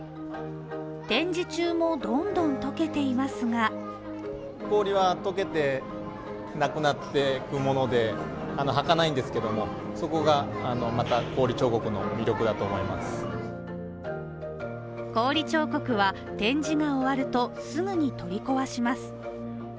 展示中もどんどんとけていますが氷彫刻は展示が終わるとすぐに取り壊します。